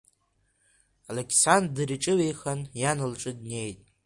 Алықьсандр иҿыҩеихан иан лҿы днеит.